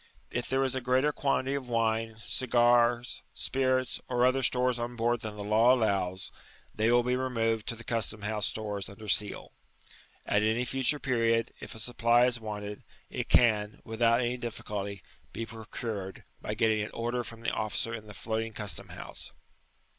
If there is a greater quantity of wine, cigars, spirits, or olher stores on board than the law allows, they will be removed to the custom house stores under seal. At any future period, if a supply is wanted, it can, ^ without any difficulty, be procured, by getting an order from the officer in the floating custom house.